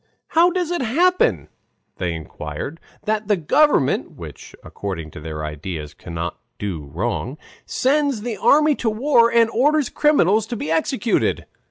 "How does it happen," they inquired, "that the government [which according to their ideas cannot do wrong] sends the army to war and orders criminals to be executed."